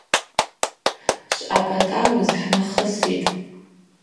Швъапӏатӏауыз хӏнахыситӏ.